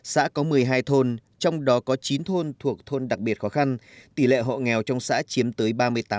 xã có một mươi hai thôn trong đó có chín thôn thuộc thôn đặc biệt khó khăn tỷ lệ hộ nghèo trong xã chiếm tới ba mươi tám